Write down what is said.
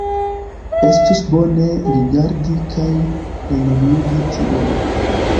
Estus bone rerigardi kaj renormigi tion.